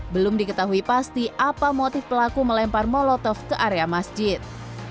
belum diketahui pasti apa motif pelaku melempar molotov ke area masjid